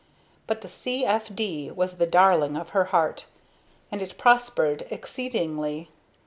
But the "c. f. d." was the darling of her heart, and it prospered exceedingly.